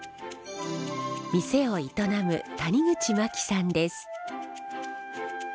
店を営む谷口真紀さんです。